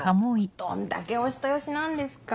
どんだけお人よしなんですか。